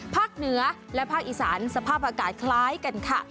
เหนือและภาคอีสานสภาพอากาศคล้ายกันค่ะ